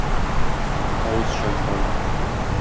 Авыз чайкау.